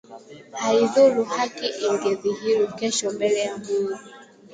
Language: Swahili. Haidhuru, haki ingedhihiri kesho mbele ya Mungu